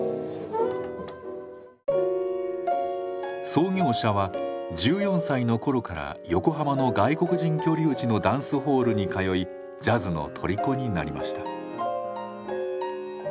創業者は１４歳の頃から横浜の外国人居留地のダンスホールに通いジャズのとりこになりました。